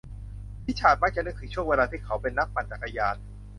ริชาร์ดมักจะนึกถึงช่วงเวลาที่เขาเป็นนักปั่นจักรยาน